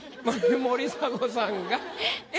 森迫さんがＡ。